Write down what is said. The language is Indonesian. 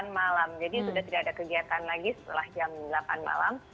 malam jadi sudah tidak ada kegiatan lagi setelah jam delapan malam